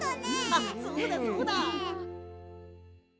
あっそうだそうだ！